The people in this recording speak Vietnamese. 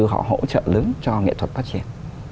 hỗ trợ lớn cho nghệ thuật phát triển